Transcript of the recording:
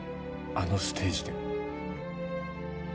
あのステージで。